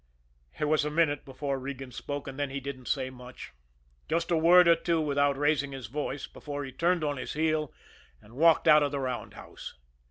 It was a minute before Regan spoke, and then he didn't say much, just a word or two without raising his voice, before he turned on his heel and walked out of the roundhouse.